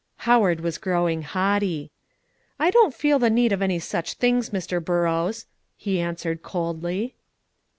Howard was growing haughty. "I don't feel the need of any such things, Mr. Burrows," he answered coldly.